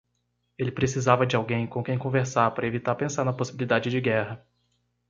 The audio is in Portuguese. Ele precisava de alguém com quem conversar para evitar pensar na possibilidade de guerra.